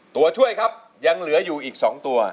ตัวช่วยครับยังเหลืออยู่อีก๒ตัว